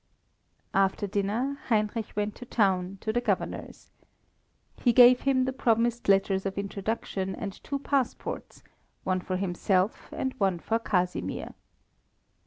After dinner, Heinrich went to town, to the Governor's. He gave him the promised letters of introduction and two passports, one for himself and one for Casimir.